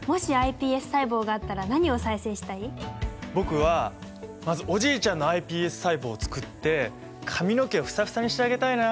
僕はまずおじいちゃんのｉＰＳ細胞をつくって髪の毛をフサフサにしてあげたいな。